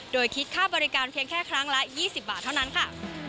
โดยคิดค่าบริการเพียงแค่ครั้งละ๒๐บาทเท่านั้นค่ะ